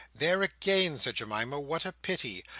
"There again!" said Jemima. "What a pity!